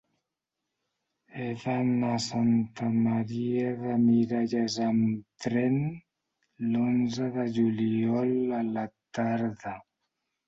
He d'anar a Santa Maria de Miralles amb tren l'onze de juliol a la tarda.